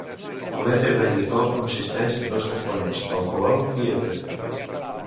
L'èter de glicol consisteix en dos components: alcohol i èter.